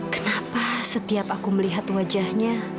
kenapa setiap aku melihat wajahnya